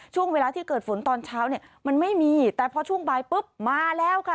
ช่วงเวลาที่เกิดฝนตอนเช้าเนี่ยมันไม่มีแต่พอช่วงบ่ายปุ๊บมาแล้วค่ะ